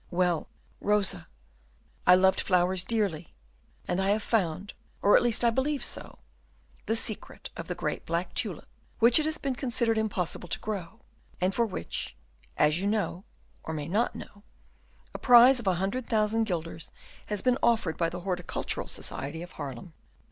Well, Rosa, I loved flowers dearly, and I have found, or at least I believe so, the secret of the great black tulip, which it has been considered impossible to grow, and for which, as you know, or may not know, a prize of a hundred thousand guilders has been offered by the Horticultural Society of Haarlem.